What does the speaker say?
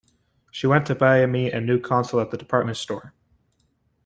She went to buy me a new console at the department store.